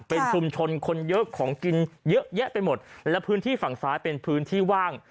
เป็นชุมชนคนเยอะของกินเยอะแยะไปหมดและพื้นที่ฝั่งซ้ายเป็นพื้นที่ว่าง